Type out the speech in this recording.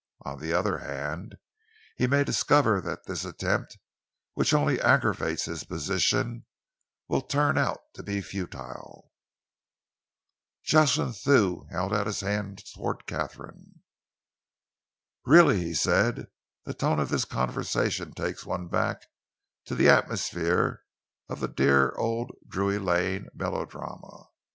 On the other hand, he may discover that this attempt, which only aggravates his position, will turn out to be futile." Jocelyn Thew held out his hand towards Katharine. "Really," he said, "the tone of this conversation takes one back to the atmosphere of the dear old Drury Lane melodrama.